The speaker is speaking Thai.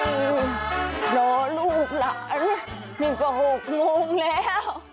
รอลูกหลานนี่ก็๖โมงแล้ว